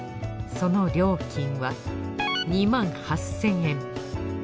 その料金は２８，０００円。